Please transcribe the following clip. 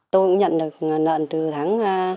tôi cũng nhận được lợn từ thầy